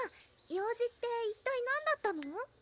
用事って一体何だったの？